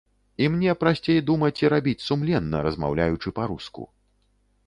І мне прасцей думаць і рабіць сумленна, размаўляючы па-руску.